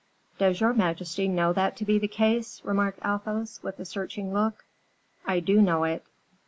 "Does your majesty know that to be the case?" remarked Athos, with a searching look. "I do know it."